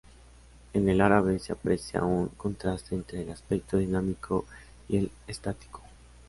En el árabe se aprecia un contraste entre el aspecto dinámico y el estático.